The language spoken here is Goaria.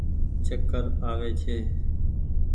چڪر آوي ڇي ۔